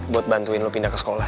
buat bantuin lo pindah ke sekolah